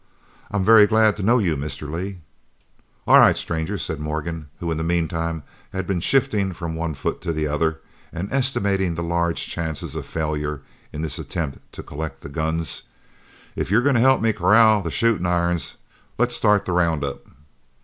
"I'm very glad to know you, Mr. Lee." "All right, stranger," said Morgan, who in the meantime had been shifting from one foot to the other and estimating the large chances of failure in this attempt to collect the guns, "if you're going to help me corral the shootin' irons, let's start the roundup."